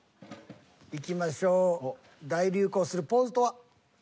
いきましょう大流行するポーズとは？